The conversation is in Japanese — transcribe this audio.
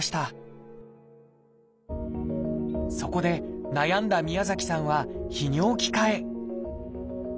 そこで悩んだ宮崎さんは泌尿器科へ。